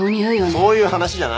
そういう話じゃない！